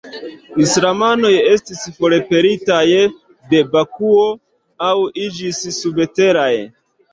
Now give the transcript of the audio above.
Islamanoj estis forpelitaj de Bakuo, aŭ iĝis subteraj.